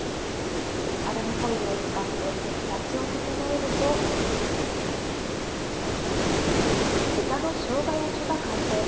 アルミホイルを使って形を整ると、豚の生姜焼きが完成。